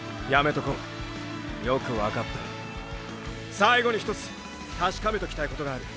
最後にひとつ確かめときたいことがある。